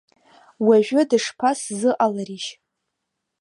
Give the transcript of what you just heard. Уажәы дышԥасзыҟаларишь?